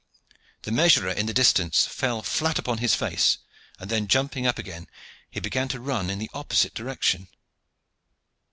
The measurer in the distance fell flat upon his face, and then jumping up again, he began to run in the opposite direction.